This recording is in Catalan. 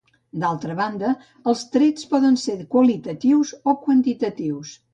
D'altra banda, els trets poden ser qualitatius o quantitatius.